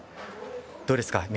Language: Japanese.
どうですか？